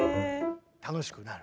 楽しくなる。